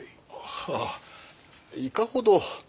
はあいかほど？